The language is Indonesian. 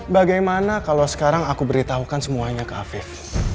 bagaimana kalau sekarang aku beritahukan semuanya ke afif